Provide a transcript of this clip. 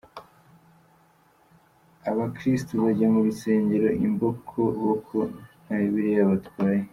Abakirisitu bajya mu rusengero imbokoboko nta bibiliya batwaye.